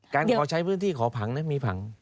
การขอใช้พื้นที่ขอผังนั้นมีผัง